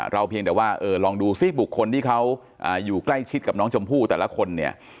เพียงแต่ว่าลองดูซิบุคคลที่เขาอยู่ใกล้ชิดกับน้องชมพู่แต่ละคนเนี่ย